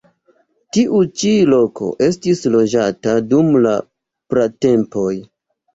Tiu ĉi loko estis loĝata dum la pratempoj.